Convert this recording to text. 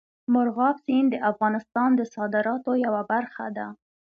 مورغاب سیند د افغانستان د صادراتو یوه برخه ده.